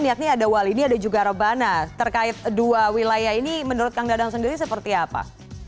yakni ada walini ada juga rebana terkait dua wilayah ini menurut kang dadang sendiri seperti apa